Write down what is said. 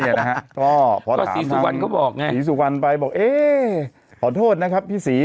เนี่ยนะฮะพอถามศรีสุวรรณก็บอกไงศรีสุวรรณไปบอกเอ๊ขอโทษนะครับพี่ศรี